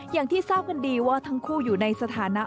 อย่างที่ทราบกันดีว่าทั้งคู่อยู่ในสถานะ